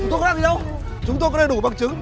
chúng tôi có làm gì đâu chúng tôi có đầy đủ bằng chứng